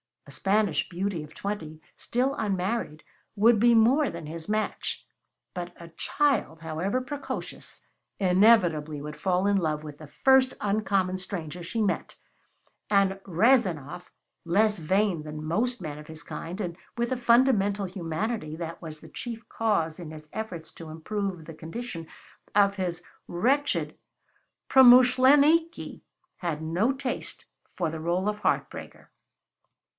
A Spanish beauty of twenty, still unmarried, would be more than his match. But a child, however precocious, inevitably would fall in love with the first uncommon stranger she met; and Rezanov, less vain than most men of his kind, and with a fundamental humanity that was the chief cause in his efforts to improve the condition of his wretched promuschleniki, had no taste for the role of heart breaker.